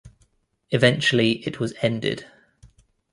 Eventually it was ended.